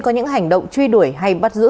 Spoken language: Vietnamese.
có những hành động truy đuổi hay bắt giữ